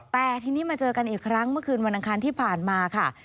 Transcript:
แต่ทีนี้มาเจอกันอีกครั้งเมื่อคืนวันอังคารที่ผ่านมาค่ะ